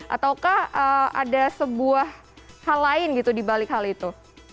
ataukah ada sebuah hal lain gitu dibalik hal itu